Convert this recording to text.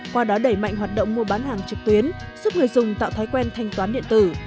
qua đó đẩy mạnh hoạt động mua bán hàng trực tuyến giúp người dùng tạo thói quen thanh toán điện tử